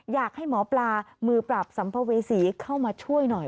อยากให้หมอปลามือปราบสัมภเวษีเข้ามาช่วยหน่อย